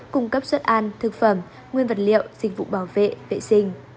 cung cấp thức ăn thực phẩm nguyên liệu vật liệu dịch vụ bảo vệ vệ sinh